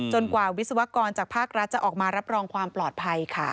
กว่าวิศวกรจากภาครัฐจะออกมารับรองความปลอดภัยค่ะ